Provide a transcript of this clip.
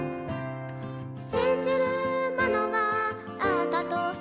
「信じるものがあったとしても」